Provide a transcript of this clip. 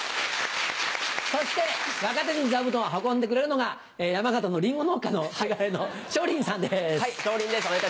そして若手に座布団を運んでくれるのが山形のりんご農家のせがれの昇りんさんです。